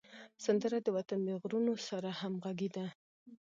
سندره د وطن د غرونو سره همږغي ده